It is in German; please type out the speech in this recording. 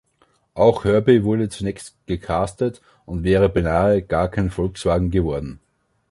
Auch Herbie wurde zunächst „gecastet“ und wäre beinahe gar kein Volkswagen geworden.